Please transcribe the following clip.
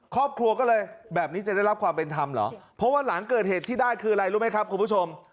ครอบครัวก็เลยแบบนี้จะได้รับความเป็นธรรมเหรอเพราะว่าหลังเกิดเหตุที่ได้คืออะไรรู้ไหมครับคุณผู้ชม